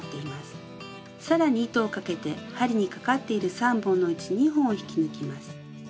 更に糸をかけて針にかかっている３本のうち２本を引き抜きます。